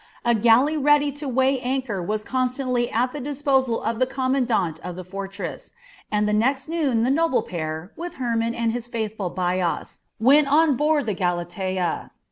A galley ready to weigh anchor was constantly at the disposal of the commandant of the fortress, and the next noon the noble pair, with Hermon and his faithful Bias, went on board the Galatea.